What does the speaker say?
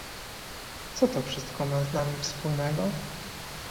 Co to wszystko ma z nami wspólnego?